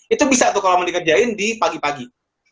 itu bisa tuh kalau mau dikerjain di pagi pagi